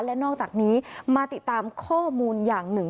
และนอกจากนี้มาติดตามข้อมูลอย่างหนึ่ง